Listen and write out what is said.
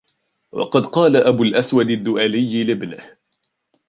وَقَدْ قَالَ أَبُو الْأَسْوَدِ الدُّؤَلِيُّ لِابْنِهِ